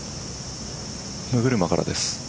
六車からです。